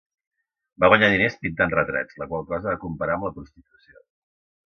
Va guanyar diners pintant retrats, la qual cosa va comparar amb la prostitució.